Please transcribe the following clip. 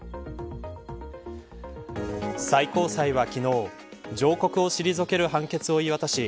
最高裁は昨日上告を退ける判決を言い渡し